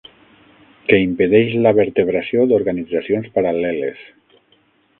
Que impedeix la vertebració d'organitzacions paral·leles.